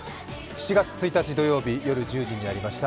７月１日土曜日夜１０時になりました。